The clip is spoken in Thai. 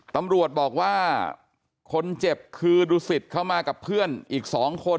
ตำรวจบอกว่าคนเจ็บคือดูสิตเข้ามากับเพื่อนอีก๒คน